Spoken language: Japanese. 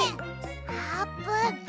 あーぷん！